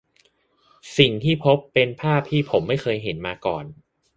สิ่งที่พบเป็นภาพที่ผมไม่เคยเห็นมาก่อน